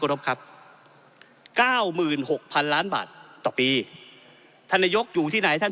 รบครับเก้าหมื่นหกพันล้านบาทต่อปีท่านนายกอยู่ที่ไหนท่าน